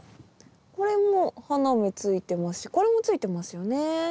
これも花芽ついてますしこれもついてますよね。